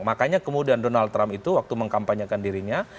makanya kemudian donald trump itu waktu mengkampanyekan dirinya